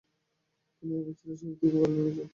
তিনি এ বছরের শেষ দিকে বার্লিনে যান।